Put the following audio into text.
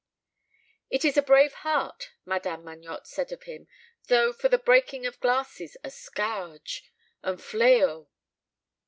"It is a brave heart," Madame Magnotte said of him, "though for the breaking of glasses a scourge un fléau."